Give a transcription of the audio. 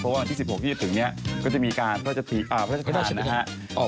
เพราะวันที่๑๖ที่จะถึงนี้ก็จะมีการพัฒนฐานนะครับ